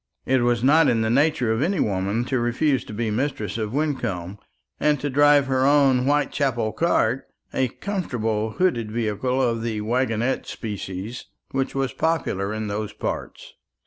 It was not in the nature of any woman to refuse to be mistress of Wyncomb, and to drive her own whitechapel cart a comfortable hooded vehicle of the wagonette species, which was popular in those parts.